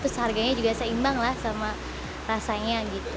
terus harganya juga seimbang lah sama rasanya gitu